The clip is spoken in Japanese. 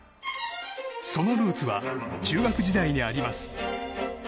そのルーツは中学時代にあります。